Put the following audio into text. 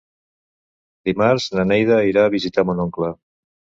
Dimarts na Neida anirà a visitar mon oncle.